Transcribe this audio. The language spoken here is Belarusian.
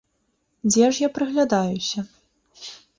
Дзе ж я прыглядаюся?